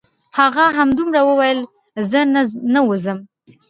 هغه همدومره وویل: ځه زه نه وځم.